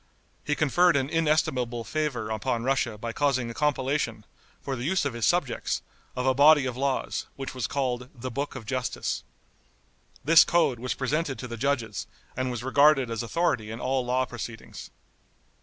He conferred an inestimable favor upon Russia by causing a compilation, for the use of his subjects, of a body of laws, which was called "The Book of Justice." This code was presented to the judges, and was regarded as authority in all law proceedings.